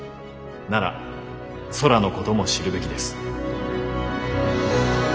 なら空のことも知るべきです。